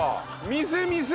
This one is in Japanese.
店店！